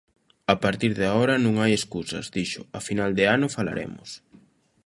"A partir de agora non hai escusas", dixo, "a final de ano, falaremos".